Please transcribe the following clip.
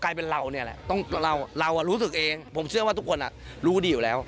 เรารู้สึกเองผมเชื่อว่าทุกคนรู้ดีอยู่แล้ว